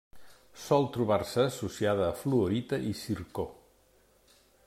Sol trobar-se associada a fluorita i zircó.